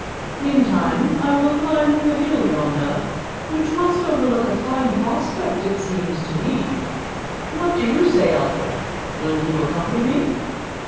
Meantime I will climb the hill yonder, which must overlook a fine prospect, it seems to me. What do you say, Alfred? Will you accompany me?"